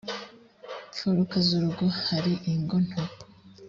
mfuruka z urugo hari ingo nto